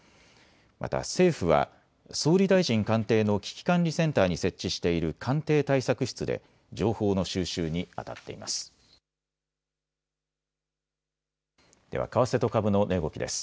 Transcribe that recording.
また政府は総理大臣官邸の危機管理センターに設置している官邸対策室で情報の収集にあたっています。